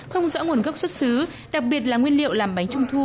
không rõ nguồn gốc xuất xứ đặc biệt là nguyên liệu làm bánh trung thu